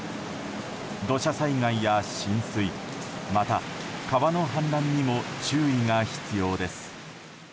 土砂災害や浸水また、川の氾濫にも注意が必要です。